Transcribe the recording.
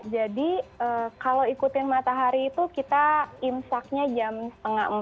jadi kalau ikutin matahari itu kita imsaknya jam setengah empat